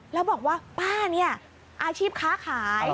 แล้วบอกว่าป้าเนี่ยอาชีพค้าขาย